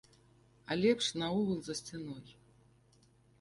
А лепш наогул за сцяной.